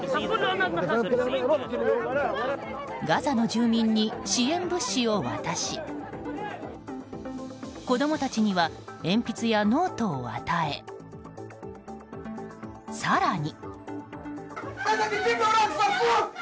ガザの住民に支援物資を渡し子供たちには鉛筆やノートを与え更に。